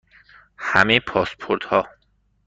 همه پاسپورت ها